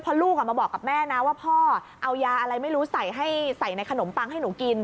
เพราะลูกมาบอกกับแม่นะว่าพ่อเอายาอะไรไม่รู้ใส่ในขนมปังให้หนูกิน